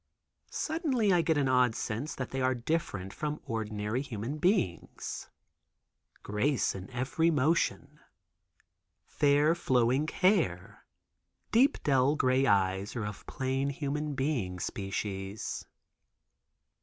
Suddenly I get an odd sense that they are different from ordinary human beings. Grace in every motion. Fair flowing hair; deep dell gray eyes are of plain human being species.